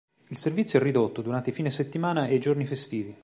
Il servizio è ridotto durante i fine settimana e i giorni festivi.